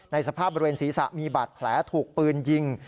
สภาพบริเวณศีรษะมีบาดแผลถูกปืนยิง